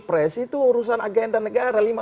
presi itu urusan agenda negara